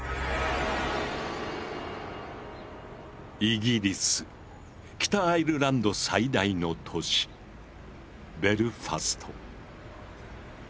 イギリス北アイルランド最大の都市ベルファスト。